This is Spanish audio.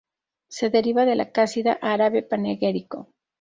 Se deriva de la casida árabe panegírico.